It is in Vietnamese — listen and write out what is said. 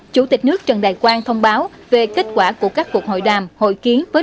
chủ tịch nước trần đại quang thông báo về kết quả của các cuộc hội đàm hội kiến với